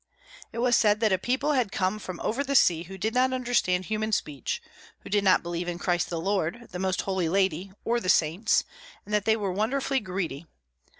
It was said that a people had come from over the sea who did not understand human speech, who did not believe in Christ the Lord, the Most Holy Lady, or the Saints, and that they were wonderfully greedy.